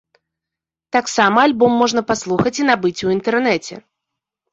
Таксама альбом можна паслухаць і набыць у інтэрнэце.